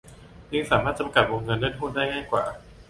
จึงสามารถจำกัดวงเงินการเล่นหุ้นได้ง่ายกว่า